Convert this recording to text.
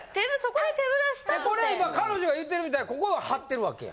これ今彼女が言ってるみたいにここは貼ってるわけや？